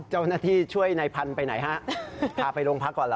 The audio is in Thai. เจ้าหน้าที่ช่วยในพันธุ์ไปไหนฮะพาไปโรงพักก่อนเหรอ